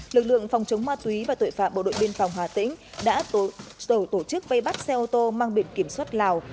lực lượng phòng chống ma túy và tội phạm bộ đội biên phòng hà tĩnh đã tổ chức vây bắt xe ô tô mang biển kiểm soát lào